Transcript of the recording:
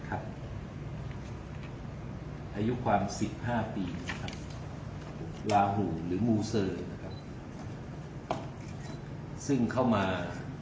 อายุความ๑๕ปีลาหูหรือมูเสอซึ่งเข้ามา